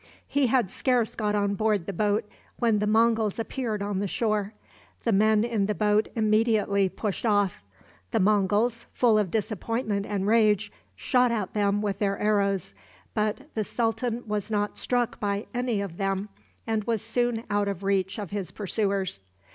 He had scarce got on board the boat when the Monguls appeared on the shore. The men in the boat immediately pushed off. The Monguls, full of disappointment and rage, shot at them with their arrows; but the sultan was not struck by any of them, and was soon out of the reach of his pursuers.